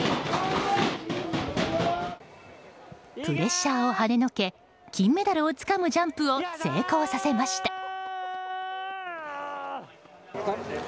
プレッシャーをはねのけ金メダルをつかむジャンプを成功させました。